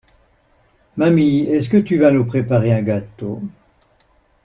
Mamie, est-que tu vas nous préparer un gâteau?